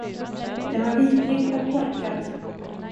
Den var vidrig och korkad.